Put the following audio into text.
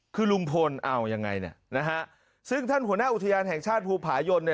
คือลุงพลเอายังไงเนี่ยนะฮะซึ่งท่านหัวหน้าอุทยานแห่งชาติภูผายนเนี่ย